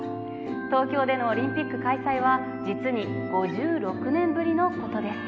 東京でのオリンピック開催は実に５６年ぶりのことです。